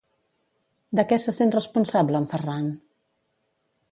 De què se sent responsable en Ferran?